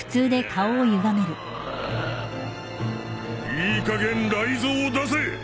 いいかげん雷ぞうを出せ。